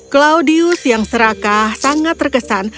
claudius yang serakah sangat terkesan